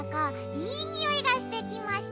いいにおいがしてきました！